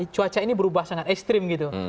cuaca ini berubah sangat ekstrim gitu